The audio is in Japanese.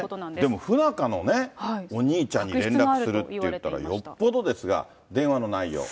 でも不仲のね、お兄ちゃんに連絡するっていうことはよっぽどですが、電話の内容。